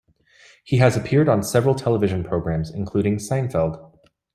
He has appeared on several television programs, including "Seinfeld".